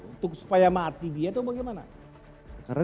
untuk supaya mati dia itu bagaimana